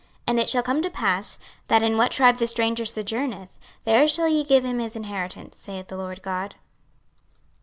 26:047:023 And it shall come to pass, that in what tribe the stranger sojourneth, there shall ye give him his inheritance, saith the Lord GOD.